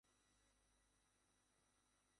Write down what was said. বালের গোপন বাক্স!